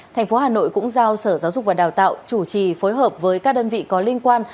thành phố hà nội cũng giao sở giáo dục và đào tạo chủ trì phối hợp với các đơn vị có liên quan